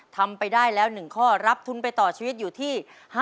ทำไปได้แล้ว๑ข้อรับทุนไปต่อชีวิตอยู่ที่